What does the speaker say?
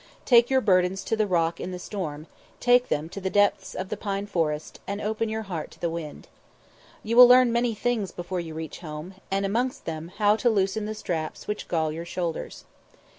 Take your burdens to the rock in the storm; take them to the depths of the pine forest, and open your heart to the wind. You will learn many things before you reach home, and amongst them how to loosen the straps which gall your shoulders.